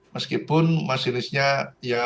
meskipun masinisnya ya